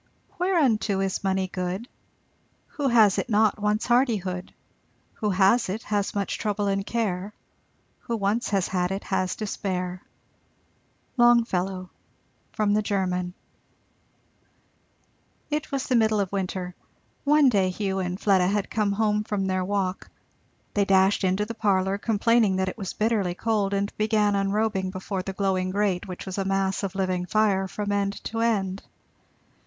Whereunto is money good? Who has it not wants hardihood, Who has it has much trouble and care, Who once has had it has despair. Longfellow. From the German. It was the middle of winter. One day Hugh and Fleda had come home from their walk. They dashed into the parlour, complaining that it was bitterly cold, and began unrobing before the glowing grate, which was a mass of living fire from end to end.